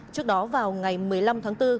trước đó vào ngày một mươi năm tháng bốn